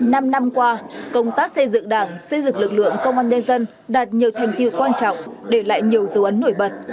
năm năm qua công tác xây dựng đảng xây dựng lực lượng công an nhân dân đạt nhiều thành tiêu quan trọng để lại nhiều dấu ấn nổi bật